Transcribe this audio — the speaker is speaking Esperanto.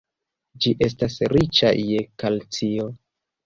Ĝi estas riĉa je kalcio.